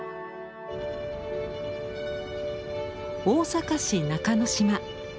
大阪市中之島。